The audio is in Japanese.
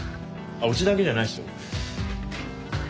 うちだけじゃないですよ。